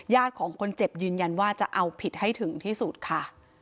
ของคนเจ็บยืนยันว่าจะเอาผิดให้ถึงที่สุดค่ะ